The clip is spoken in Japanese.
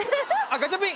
ガチャピン！